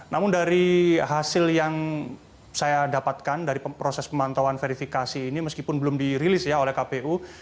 namun dari hasil yang saya dapatkan dari proses pemantauan verifikasi ini meskipun belum dirilis ya oleh kpu